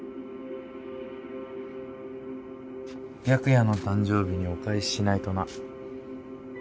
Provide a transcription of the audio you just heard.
白夜の誕生日にお返ししないとな。